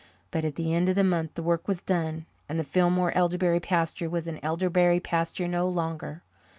But at the end of the month the work was done and the Fillmore elderberry pasture was an elderberry pasture no longer.